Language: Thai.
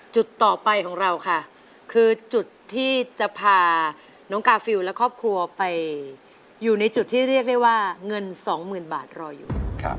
จุดต่อไปของเราค่ะคือจุดที่จะพาน้องกาฟิลและครอบครัวไปอยู่ในจุดที่เรียกได้ว่าเงิน๒๐๐๐บาทรออยู่